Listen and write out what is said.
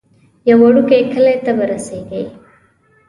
یو وړوکی کلی ته به رسیږئ.